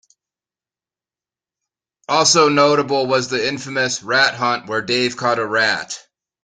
Also notable was the "infamous" rat hunt where Dave caught a rat.